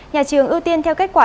nhà trường ưu tiên theo kết quả